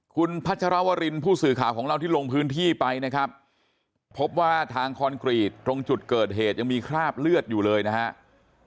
คุณพัชรวรินผู้สื่อข่าวของเราที่ลงพื้นที่ไปนะครับพบว่าทางคอนกรีตตรงจุดเกิดเหตุยังมีคราบเลือดอยู่เลยนะครับ